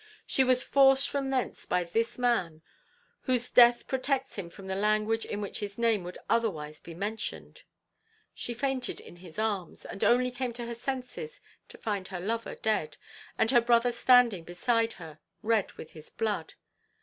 She was forced from thence by this man, whose death protects him from the language in which his name would otherwise be mentioned. She fainted in his arms, and only came to her senses to find her lover dead, and her brother standing beside her, red with his blood.